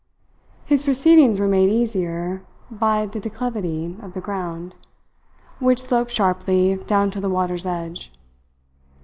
His proceedings were made easier by the declivity of the ground, which sloped sharply down to the water's edge.